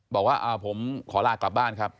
บอกว่าผมขอลากลับบ้านครับ